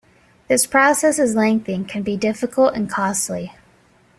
This process is lengthy, and can be difficult and costly.